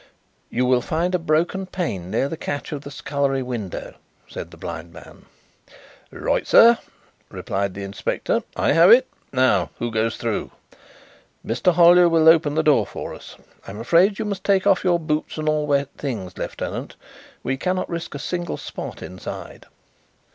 "You will find a broken pane near the catch of the scullery window," said the blind man. "Right, sir," replied the inspector. "I have it. Now who goes through?" "Mr. Hollyer will open the door for us. I'm afraid you must take off your boots and all wet things, Lieutenant. We cannot risk a single spot inside."